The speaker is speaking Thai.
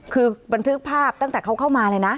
คือบันทึกภาพตั้งแต่เขาเข้ามาเลยนะ